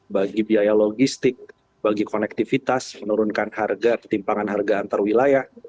bagi biaya logistik bagi konektivitas menurunkan harga ketimpangan harga antarwilayah